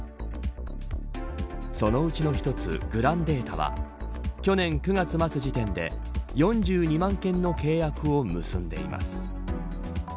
そのうちの１つグランデータは去年９月末時点で４２万件の契約を結んでいます。